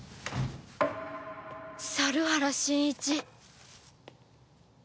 猿原真一！